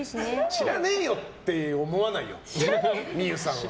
知らねえよって思わないよ望結さんは。